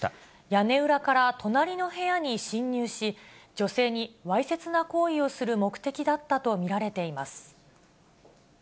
屋根裏から隣の部屋に侵入し、女性にわいせつな行為をする目的だったと見られています。